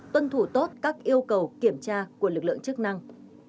tuân thủ tốt các yêu cầu kiểm tra của lực lượng chức năng